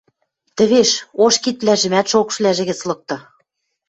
Тӹвеш, ош кидвлӓжӹмӓт шокшвлӓжӹ гӹц лыкты.